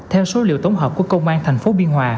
theo số liệu tổng hợp của công an thành phố biên hòa